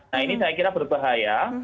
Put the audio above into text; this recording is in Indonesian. nah ini saya kira berbahaya